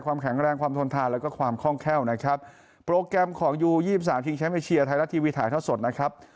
ความแข็งแรงความทนทานแล้วก็ความค่องแค้วนะครับโปรแกรมของยู๒๓ชิงแชมป์เชียร์ไทยรัฐทีวีถ่ายทอดสดนะครับ